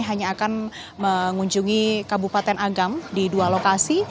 hanya akan mengunjungi kabupaten agam di dua lokasi